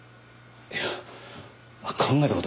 いや考えた事も。